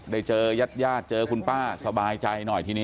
เจอยาดเจอคุณป้าสบายใจหน่อยทีนี้